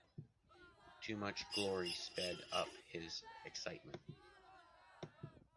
Too much glory sped up his excitement.